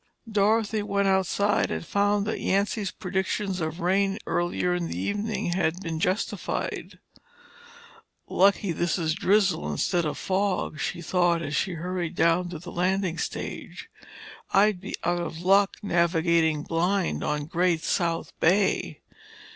Dorothy went outside and found that Yancy's prediction of rain earlier in the evening had been justified. "Lucky this is drizzle instead of fog," she thought as she hurried down to the landing stage. "I'd be out of luck navigating blind on Great South Bay!"